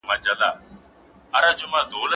حماقت د پرمختګ مخه نیسي.